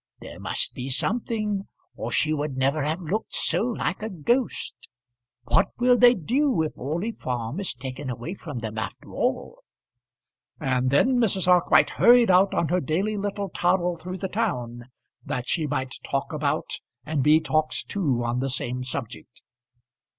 There must be something, or she would never have looked so like a ghost. What will they do if Orley Farm is taken away from them after all!" And then Mrs. Arkwright hurried out on her daily little toddle through the town, that she might talk about and be talked to on the same subject.